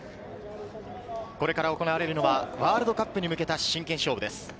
これから行われるのは、ワールドカップに向けた真剣勝負です。